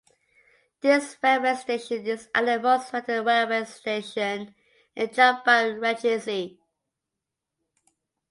This railway station is at the most western railway station in Jombang Regency.